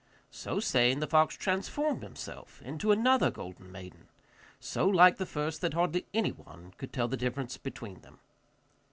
So saying, the fox transformed himself into another golden maiden, so like the first that hardly anyone could tell the difference between them.